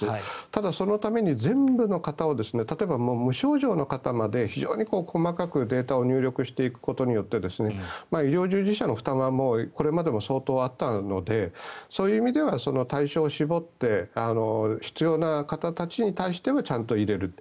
ただ、そのために全部の方を例えば無症状の方まで非常に細かくデータを入力していくことによって医療従事者の負担はこれまでも相当あったのでそういう意味では対象を絞って必要な方たちに対してはちゃんと入れる。